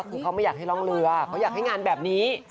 คือเขาไม่อยากให้ร่องเรือเขาอยากให้งานแบบนี้